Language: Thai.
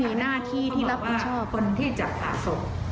เพราะว่ามีอยู่แล้วค่ะคือใครจะบอกไม่มีอำนาจ